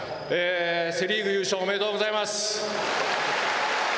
セ・リーグ優勝おめでとうございます。